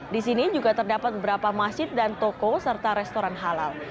di sini juga terdapat beberapa masjid dan toko serta restoran halal